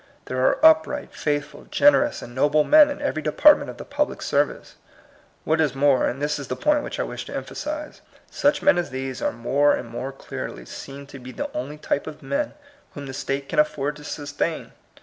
There are upright, faithful, generous, and noble men in every department of the pub lic service. What is more (and this is the point which I wish to emphasize), such men as these are more and more clearly seen to be the only type of men whom the state can afford to sustain.